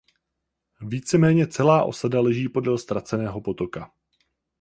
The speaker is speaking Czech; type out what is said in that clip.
Víceméně celá osada leží podél "Ztraceného potoka".